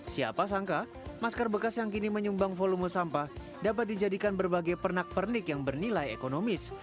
siapa sangka masker bekas yang kini menyumbang volume sampah dapat dijadikan berbagai pernak pernik yang bernilai ekonomis